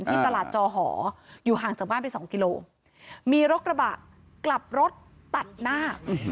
ที่ตลาดจอหออยู่ห่างจากบ้านไปสองกิโลมีรถกระบะกลับรถตัดหน้า